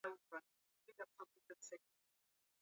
ikiwasilisha ukuaji wa asilimia arobaini na nne